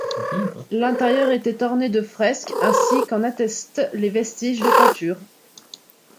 L'intérieur était orné de fresques, ainsi qu'en attestent des vestiges de peintures.